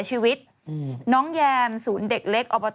สวัสดีค่ะ